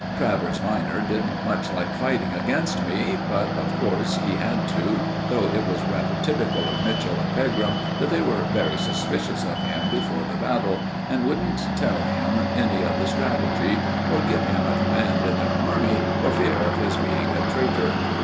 Travers minor didn't much like fighting against me, but, of course, he had to, though it was rather typical of Mitchell and Pegram that they were very suspicious of him before the battle, and wouldn't tell him any of the strategy, or give him a command in their army, for fear of his being a traitor.